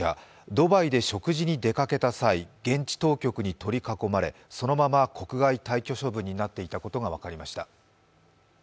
ドバイで食事に出かけた際、現地当局に取り囲まれ、そのまま国外退去処分になっていたことが分かりました。